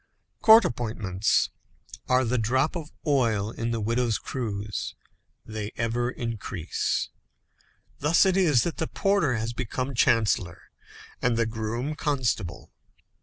Court appointments are the drop of oil in the widow's cruse, they ever increase. Thus it is that the porter has become chancellor, and the groom, constable.